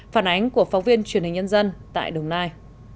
phản ánh của phóng viên truyền hình nhân dân tại đồng nai